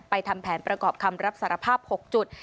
ทำแผนประกอบคำรับสารภาพ๖จุด